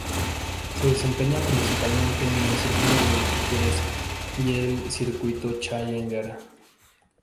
Se desempeña principalmente en el circuito de Futures y el circuito Challenger.